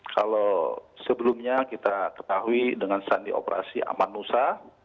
kalau sebelumnya kita ketahui dengan sandi operasi amanusa